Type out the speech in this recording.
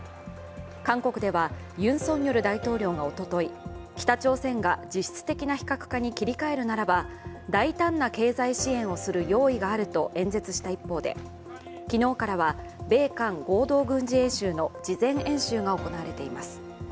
韓国ではユン・ソンニョル大統領がおととい、北朝鮮が実質的な非核化に切り替えるならば大胆な経済支援をする用意があると演説した一方で、昨日からは米韓合同軍事演習の事前演習が行われています。